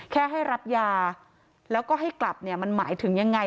แค่ให้รับยาแล้วก็ให้กลับเนี่ยมันหมายถึงยังไง